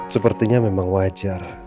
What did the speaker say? sepertinya memang wajar